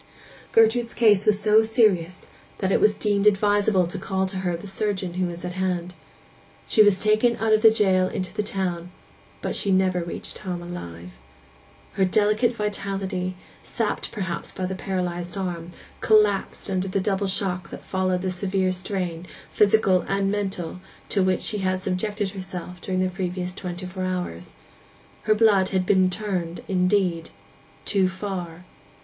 Gertrude's case was so serious that it was deemed advisable to call to her the surgeon who was at hand. She was taken out of the jail into the town; but she never reached home alive. Her delicate vitality, sapped perhaps by the paralyzed arm, collapsed under the double shock that followed the severe strain, physical and mental, to which she had subjected herself during the previous twenty four hours. Her blood had been 'turned' indeed—too far.